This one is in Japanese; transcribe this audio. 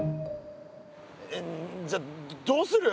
えっじゃあどうする？